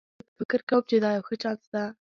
زه فکر کوم چې دا یو ښه چانس ده